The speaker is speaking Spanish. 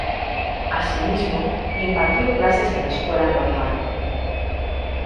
Asimismo impartió clases en la Escuela Normal.